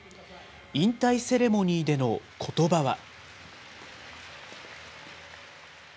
引退セレモニーでのことばは。